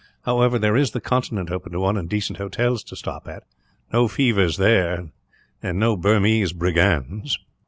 However, there is the Continent open to one, and decent hotels to stop at. No fevers there, and no Burmese brigands."